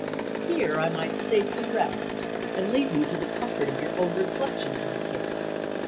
Here I might safely rest, and leave you to the comfort of your own reflections in the case.